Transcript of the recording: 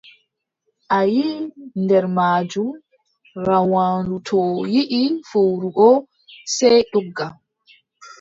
A yiʼi nder maajum, rawaandu too yiʼi fowru boo, sey dogga.